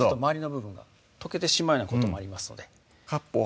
部分が溶けてしまうようなこともありますのでかっぽう